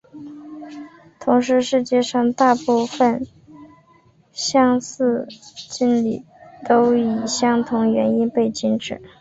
同时世界上大部份相似敬礼都以相同原因被禁止。